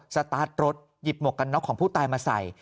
สตาร์ทรถหยิบหมวกกันน็อกของผู้ตายมาใส่